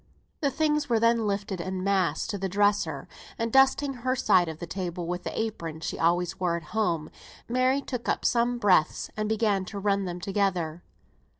The things were then lifted en masse to the dresser; and dusting her side of the table with the apron she always wore at home, Mary took up some breadths and began to run them together.